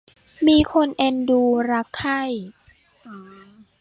มีคนเอ็นดูรักใคร่